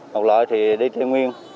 một loại thì đi tây nguyên